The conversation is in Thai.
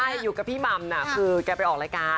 ใช่อยู่กับพี่มัมน่ะคือแกไปออกรายการ